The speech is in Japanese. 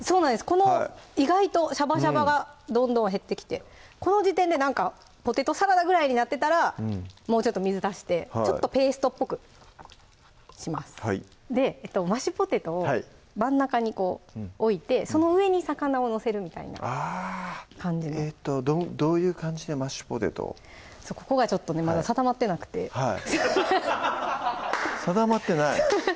この意外とシャバシャバがどんどん減ってきてこの時点でなんかポテトサラダぐらいになってたらもうちょっと水足してちょっとペーストっぽくしますマッシュポテトを真ん中にこう置いてその上に魚を載せるみたいな感じでえっとどういう感じでマッシュポテトをここがちょっとねまだ定まってなくて定まってない？